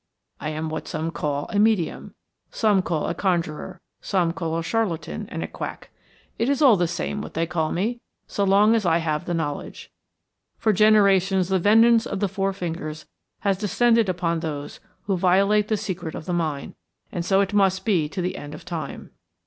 I am what some call a medium, some call a conjurer, some call a charlatan and a quack. It is all the same what they call me, so long as I have the knowledge. For generations the vengeance of the Four Fingers has descended upon those who violate the secret of the mine, and so it must be to the end of time.